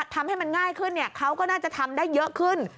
ทำให้มันง่ายขึ้นเขาก็น่าจะทำได้เยอะขึ้น